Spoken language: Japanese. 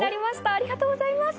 ありがとうございます。